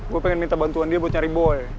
gue pengen minta bantuan dia buat nyari boy